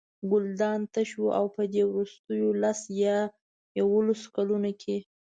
ګلدان تش و او په دې وروستیو لس یا یوولسو کلونو کې.